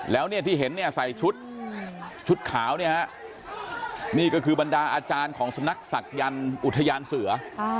แล้วที่เห็นใส่ชุดขาวนี่ฮะนี่ก็คือบรรดาอาจารย์ของสมนักศักดิ์ยังอุทยานเสือ